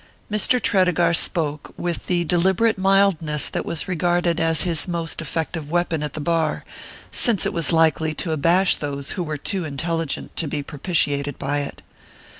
Mr. Tredegar spoke with the deliberate mildness that was regarded as his most effective weapon at the bar, since it was likely to abash those who were too intelligent to be propitiated by it.